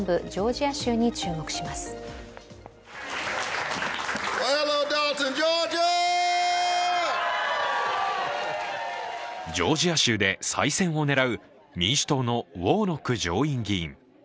ジョージア州で再選を狙う民主党のウォーノック上院議員。